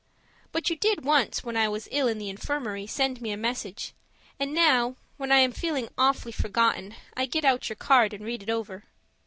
But you did once, when I was ill in the infirmary, send me a message, and now, when I am feeling awfully forgotten, I get out your card and read it over.